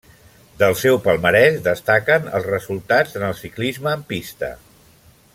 Del seu palmarès destaquen els resultats en el ciclisme en pista.